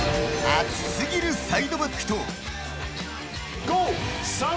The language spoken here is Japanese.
熱すぎるサイドバックと。